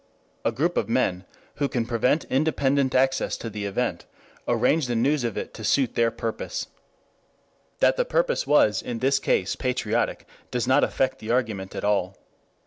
A group of men, who can prevent independent access to the event, arrange the news of it to suit their purpose. That the purpose was in this case patriotic does not affect the argument at all.